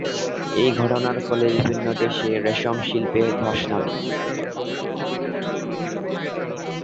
এই ঘটনার ফলে বিভিন্ন দেশে রেশম শিল্পে ধ্বস নামে।